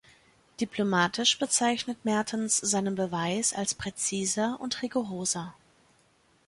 Diplomatisch bezeichnet Mertens seinen Beweis als präziser und rigoroser.